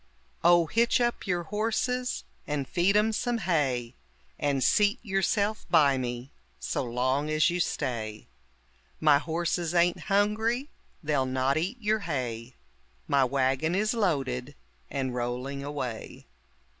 Oh, hitch up your horses and feed 'em some hay, And seat yourself by me so long as you stay. My horses ain't hungry, they'll not eat your hay; My wagon is loaded and rolling away.